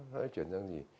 nó sẽ chuyển sang gì